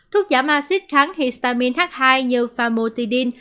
thuốc giảm acid kháng histamine h hai như phamotidine